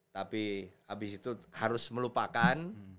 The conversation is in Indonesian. tapi habis itu harus melupakan